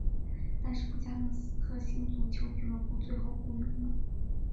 但是布加勒斯特星足球俱乐部最后雇佣了。